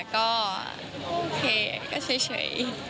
ก็โอเคก็เฉย